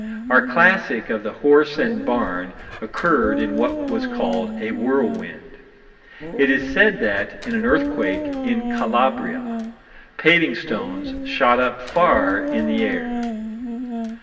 Our classic of the horse and barn occurred in what was called a whirlwind. It is said that, in an earthquake in Calabria, paving stones shot up far in the air.